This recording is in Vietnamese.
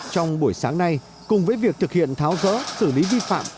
trong buổi sáng nay cùng với việc thực hiện tháo rỡ xử lý vi phạm